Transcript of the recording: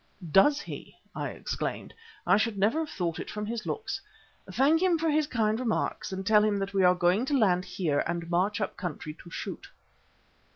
"Does he?" I exclaimed. "I should never have thought it from his looks. Thank him for his kind remarks and tell him that we are going to land here and march up country to shoot."